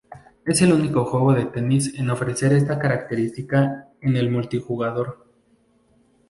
Es el único juego de tenis en ofrecer esta característica en el multijugador.